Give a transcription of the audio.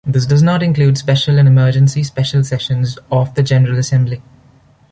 This does not include special and emergency special sessions of the General Assembly.